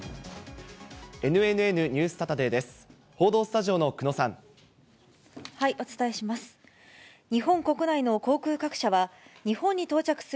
ＮＮＮニュースサタデーです。